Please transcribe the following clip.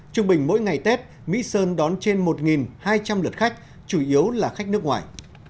trung bình mỗi ngày tết mỹ sơn đón trên một hai trăm linh lượt khách chủ yếu là khách nước ngoài